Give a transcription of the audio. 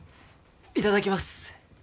いただきます